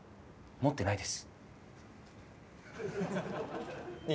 持ってないです。